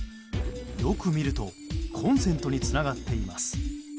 よく見ると、コンセントにつながっています。